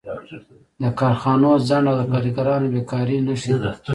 د کارخانو ځنډ او د کارګرانو بېکاري نښې دي